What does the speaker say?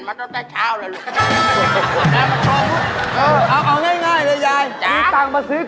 ยาบ